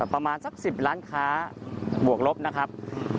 ประมาณสัก๑๐ล้านค้าบวกลบนะครับ